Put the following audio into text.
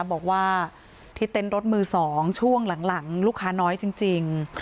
บอกว่าที่เต็นต์รถมือ๒ช่วงหลังลูกค้าน้อยจริง